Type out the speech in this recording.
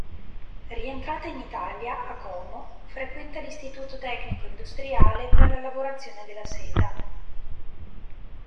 Rientrata in Italia, a Como, frequenta l'Istituto tecnico-industriale per la lavorazione della seta.